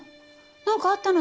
何かあったの？